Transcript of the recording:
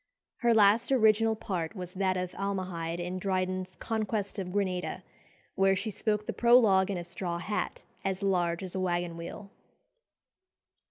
Her last original part was that of Almahide in Dryden's "Conquest of Granada," where she spoke the prologue in a straw hat as large as a waggon wheel.